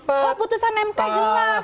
oh putusan mk jelas dua ribu sembilan belas